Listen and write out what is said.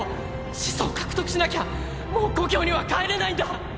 「始祖」を獲得しなきゃもう故郷には帰れないんだ！！